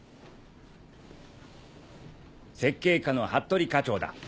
設計課の服部課長だ。